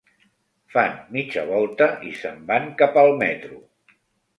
Fan mitja volta i se'n van cap al metro.